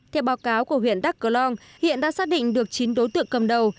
theo báo cáo của huyện đắk cơ long hiện đã xác định được chín đối tượng cầm đầu